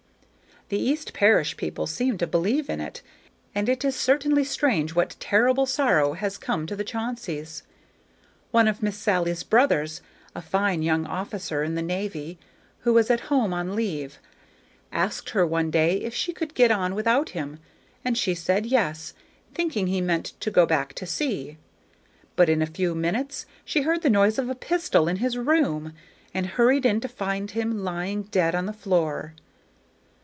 The East Parish people seem to believe in it, and it is certainly strange what terrible sorrow has come to the Chaunceys. One of Miss Sally's brothers, a fine young officer in the navy who was at home on leave, asked her one day if she could get on without him, and she said yes, thinking he meant to go back to sea; but in a few minutes she heard the noise of a pistol in his room, and hurried in to find him lying dead on the floor.